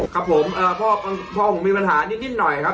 ครับผมเอ่อพ่อพ่อผมมีปัญหานิดนิดหน่อยครับ